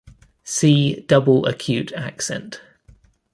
See double acute accent.